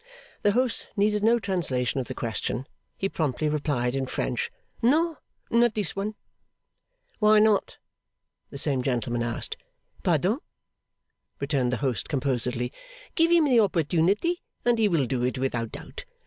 The host needed no translation of the question. He promptly replied in French, 'No. Not this one.' 'Why not?' the same gentleman asked. 'Pardon,' returned the host composedly, 'give him the opportunity and he will do it without doubt.